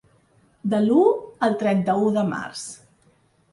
De l'u al trenta-u de Març.